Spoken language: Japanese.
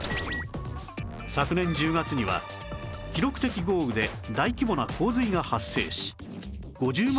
昨年１０月には記録的豪雨で大規模な洪水が発生し５０万